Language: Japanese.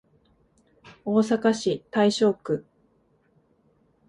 大阪市大正区